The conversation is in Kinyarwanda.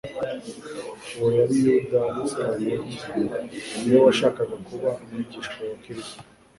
Uwo yari Yuda Iskanota, niwe washakaga kuba umwigishwa wa Kristo.